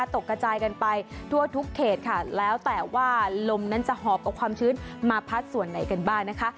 ตกกระจายกันไปทั่วทุกเขตค่ะแล้วแต่ว่าลมนั้นจะหอบเอาความชื้นมาพัดส่วนไหนกันบ้างนะคะ